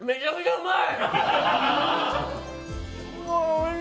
うまい。